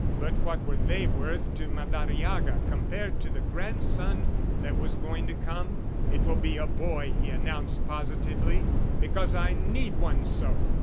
But what were they worth to Madariaga compared to the grandson that was going to come? "It will be a boy," he announced positively, "because I need one so.